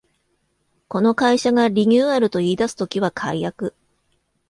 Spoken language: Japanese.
この会社がリニューアルと言いだす時は改悪